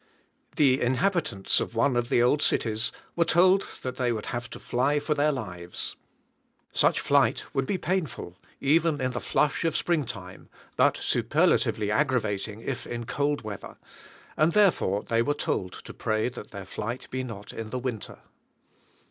The inhabitants of one of the old cities were told that they would have to fly for their lives. Such flight would be painful, even in the flush of spring time, but superlatively aggravating if in cold weather; and therefore they were told to pray that their flight be not in the winter.